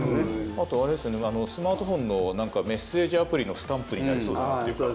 あとあれですねスマートフォンの何かメッセージアプリのスタンプになりそうなっていうか。